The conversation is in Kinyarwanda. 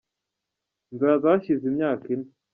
Nzaza hashize imyaka ine.